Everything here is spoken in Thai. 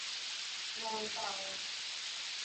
นอนฟัง